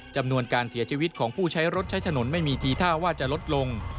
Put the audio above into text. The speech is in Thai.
จำนวนการเสียชีวิตของผู้ใช้รถใช้ถนนไม่มีทีท่าว่าจะลดลง